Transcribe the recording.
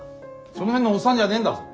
その辺のおっさんじゃねえんだぞ。